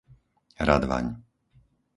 Radvaň